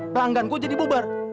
ranggan gua jadi bubar